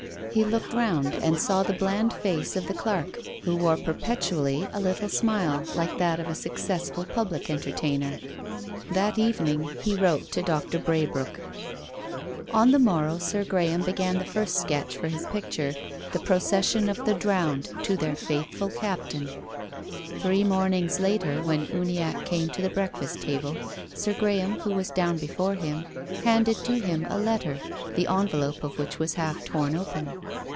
He looked round and saw the bland face of the clerk, who wore perpetually a little smile, like that of a successful public entertainer. That evening he wrote to Doctor Braybrooke. On the morrow Sir Graham began the first sketch for his picture, " The Processioji of tJie Drowned to their faithful Captain.'' Three mornings later, when Uniacke came to the breakfast table. Sir Graham, who was down before him, handed to him a letter, the envelope of which was half torn open.